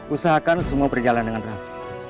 usahakan semua berjalan dengan baik